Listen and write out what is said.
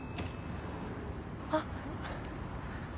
あっ。